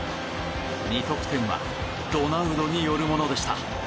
２得点はロナウドによるものでした。